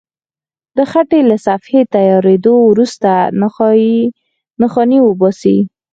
د خټې له صفحې تیارېدو وروسته نښانې وباسئ.